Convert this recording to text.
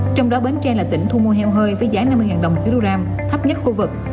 trong đó bến tre là tỉnh thu mua heo hơi với giá năm mươi đồng một kg thấp nhất khu vực